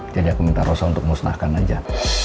jadi aku minta roso untuk musnahkan aja